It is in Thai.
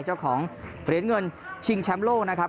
เจ้าของเหรียญเงินชิงแชมป์โลกนะครับ